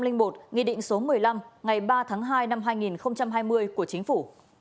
nghị định số một mươi năm ngày ba tháng hai năm hai nghìn hai mươi của chính phủ